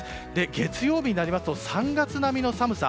月曜日になりますと３月並みの寒さ。